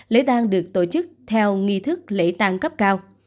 lễ tàn được tổ chức theo nghi thức lễ tàn cấp cao